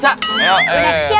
siap siap ya buat jatuh